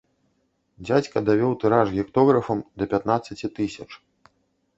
Дзядзька давёў тыраж гектографам да пятнаццаці тысяч.